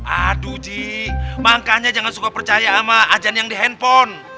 aduh ji makanya jangan suka percaya sama ajan yang di handphone